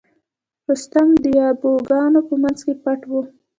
رستم د یابو ګانو په منځ کې پټ و.